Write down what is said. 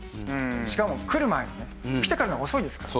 しかも来る前にね。来てからじゃ遅いですから。